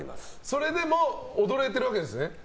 それでも踊れてるわけですね。